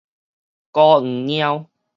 孤黃貓